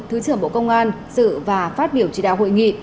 thứ trưởng bộ công an dự và phát biểu chỉ đạo hội nghị